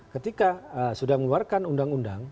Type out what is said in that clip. ketika sudah mengeluarkan undang undang